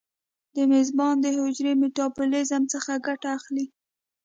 د میزبان د حجرې میتابولیزم څخه ګټه اخلي.